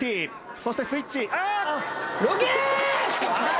そしてスイッチ。